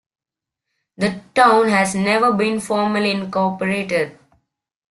The town has never been formally incorporated.